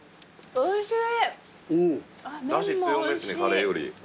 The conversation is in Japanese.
おいしい。